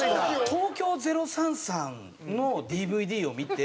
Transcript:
東京０３さんのＤＶＤを見て。